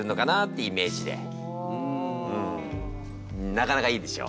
なかなかいいでしょ？